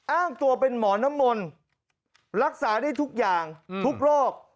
อ้างตัวเป็นหมอน้ำมนต์รักษาได้ทุกอย่างทุกโรค